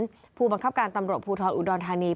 เพราะฉะนั้นผู้บังคับการตำรวจภูทรอุดรทานี